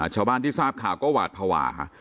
ชาวบ้านที่ทราบข่าวก็หวาดภาวะ